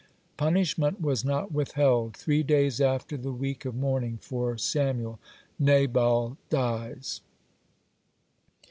Punishment was not withheld. Three days after the week of mourning for Samuel Nabal dies.